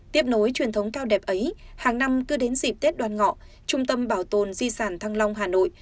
tiếp nối truyền thống cao đẹp ấy hàng năm cứ đến dịp tết đoàn ngọ trung tâm bảo tồn di sản thăng long hà nội